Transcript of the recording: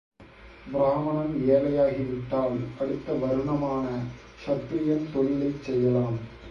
பிராமணன் ஏழையாகிவிட்டால் அடுத்த வருணமான க்ஷத்திரியன் தொழிலைச் செய்யலாம்.